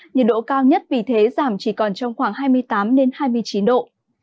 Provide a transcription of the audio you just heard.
nhiệt độ cao nhất vì thế giảm chỉ còn trong khoảng hai mươi tám hai mươi chín độ